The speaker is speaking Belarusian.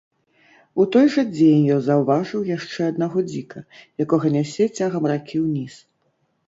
У той жа дзень ён заўважыў яшчэ аднаго дзіка, якога нясе цягам ракі ўніз.